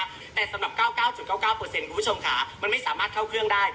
แต่สำหรับ๙๙๙๙คุณผู้ชมค่ะมันไม่สามารถเข้าเครื่องได้